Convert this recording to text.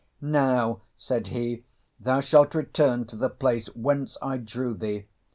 "Now," said he, "thou shalt return to the place whence I drew thee!